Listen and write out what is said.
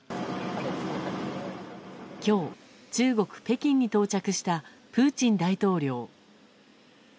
今日、中国・北京に到着したプーチン大統領。